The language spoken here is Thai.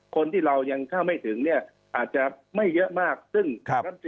คนที่เรายังเข้าไม่ถึงเนี่ยอาจจะไม่เยอะมากซึ่งรัฐ